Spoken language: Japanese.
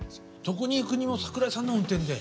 どこに行くにも桜井さんの運転で。